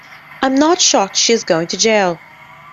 I'm not shocked she is going to jail.